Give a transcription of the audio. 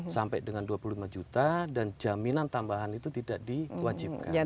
sampai dengan dua puluh lima juta dan jaminan tambahan itu tidak diwajibkan